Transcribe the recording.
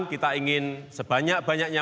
terima kasih banyak bawang